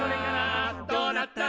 「どうなった？」